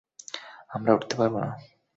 আমরা উড়তে পারব না।